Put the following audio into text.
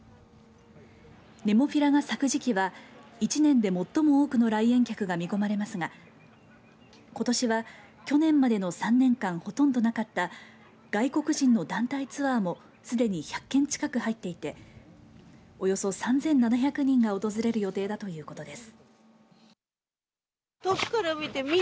ネモフィラが咲く時期は一年で最も多くの来園客が見込まれますがことしは去年までの３年間ほとんどなかった外国人の団体ツアーもすでに１００件近く入っていておよそ３７００人が訪れる予定だということです。